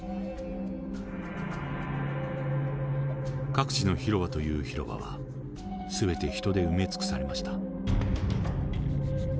各地の広場という広場は全て人で埋め尽くされました。